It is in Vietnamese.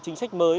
chính sách mới